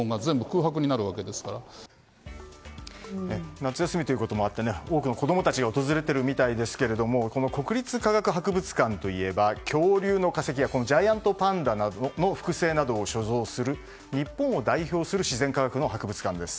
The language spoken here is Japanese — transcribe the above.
夏休みということもあって多くの子供たちが訪れているみたいですがこの国立科学博物館といえば恐竜の化石やジャイアントパンダなどの剥製などを所蔵する日本を代表する自然科学の博物館です。